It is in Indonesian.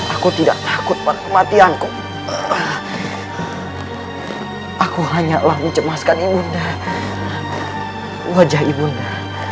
aku tidak takut kematianku aku hanyalah mencemaskan ibunda wajah ibunda